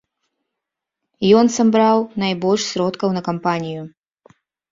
Ён сабраў найбольш сродкаў на кампанію.